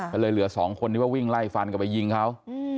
ก็เลยเหลือ๒คนวิ่งไล่ฟันกันไปยิงเขา